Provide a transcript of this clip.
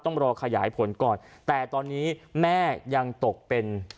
ต้องรอขยายผลก่อนแต่ตอนนี้แม่ยังตกเป็น